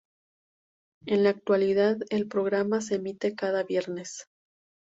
En la actualidad, el programa se emite cada viernes.